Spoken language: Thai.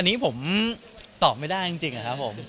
อันนี้ผมตอบไม่ได้จริงอะครับผม